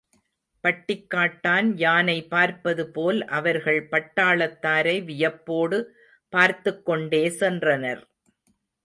பட்டிக்காட்டான் யானை பார்ப்பது போல் அவர்கள் பட்டாளத்தாரை வியப்போடு பார்த்துக்கொண்டே சென்றனர்.